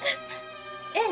ええ。